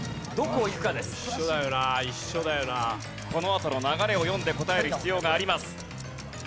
このあとの流れを読んで答える必要があります。